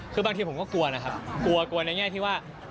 คือบางทีผมก็กลัวนะครับกลัวกลัวในแง่ที่ว่า